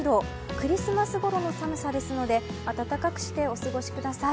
クリスマスごろの寒さですので暖かくしてお過ごしください。